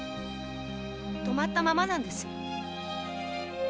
止まったままなんですよ。